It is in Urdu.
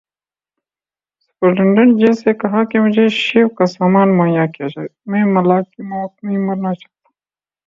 سپرنٹنڈنٹ جیل سے کہا کہ مجھے شیو کا سامان مہیا کیا جائے، میں ملا کی موت نہیں مرنا چاہتا۔